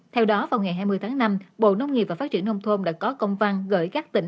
theo đó vào ngày hai mươi tháng năm bộ nông nghiệp và phát triển nông thôn đã có công văn gửi các tỉnh